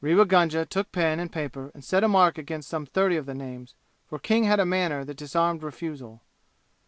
Rewa Gunga took pen and paper and set a mark against some thirty of the names, for King had a manner that disarmed refusal.